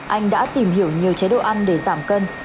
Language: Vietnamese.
anh đã tìm hiểu nhiều chế độ ăn để giảm cân